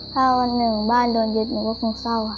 ถ้าวันหนึ่งบ้านโดนยึดหนูก็คงเศร้าค่ะ